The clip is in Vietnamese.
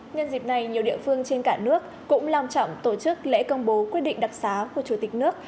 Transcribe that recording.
nhân dịp này nhiều địa phương trên cả nước cũng lòng trọng tổ chức lễ công bố quyết định đặc xá của chủ tịch nước